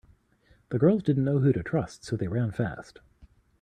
The girls didn’t know who to trust so they ran fast.